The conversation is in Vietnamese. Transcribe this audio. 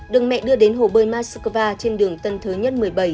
được mẹ đưa đến hồ bơi mát xúc va trên đường tân thới nhất một mươi bảy